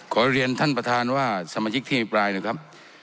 ขอเรียนท่านประธานว่าสมาชิกที่อภิปรายนะครับ